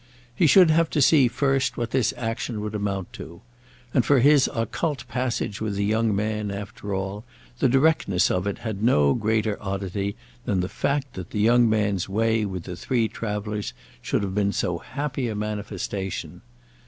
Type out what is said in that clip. He should have to see first what this action would amount to. And for his occult passage with the young man, after all, the directness of it had no greater oddity than the fact that the young man's way with the three travellers should have been so happy a manifestation.